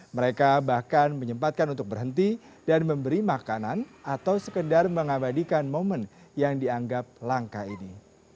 mereka bahkan menyempatkan untuk berhenti dan memberi makanan atau sekedar mengabadikan momen yang dianggap langka ini